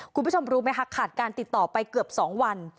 คุณผู้ชมรู้ไหมคะขาดการติดต่อไปเกือบ๒วัน